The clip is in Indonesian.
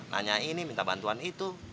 nanya ini minta bantuan itu